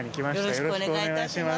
よろしくお願いします。